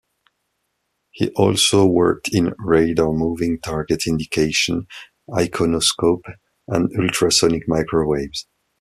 He also worked in radar moving target indication, iconoscope, and ultrasonic microwaves.